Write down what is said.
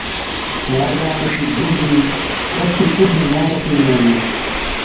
راجا ائُون اوڇِي ڌُو بِي ڏَرتِي پُوٺين محلاتِي ۾ آلين۔